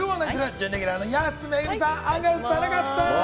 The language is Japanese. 準レギュラーの安めぐみさん、アンガールズの田中さん。